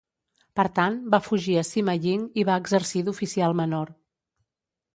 Per tant, va fugir a Sima Ying i va exercir d'oficial menor.